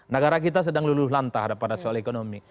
negara kita sedang luluh lantah pada soal ekonomi